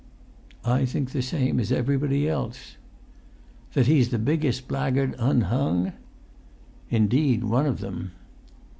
"I think the same as everybody else." "That he's the biggest blackguard unhung?" "Indeed, one of them!"